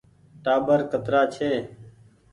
ٽآٻر ڪترآ ڇي ۔